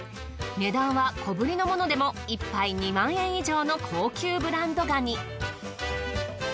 値段は小ぶりのものでも１杯２万円以上の高級ブランドガニ。